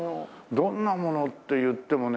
どんなものっていってもね。